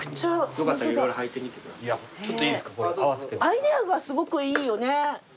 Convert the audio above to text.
アイデアがすごくいいよね。